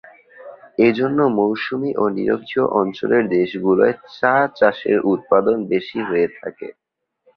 এজন্য মৌসুমী ও নিরক্ষীয় অঞ্চলের দেশগুলোয় চা চাষের উৎপাদন বেশি হয়ে থাকে।